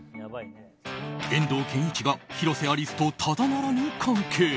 遠藤憲一が広瀬アリスとただならぬ関係。